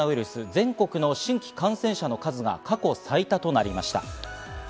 全国の新規感染者の数が過去最多となりました。